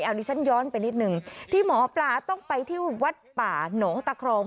อันนี้ฉันย้อนไปนิดนึงที่หมอปลาต้องไปที่วัดป่าหนองตะครอง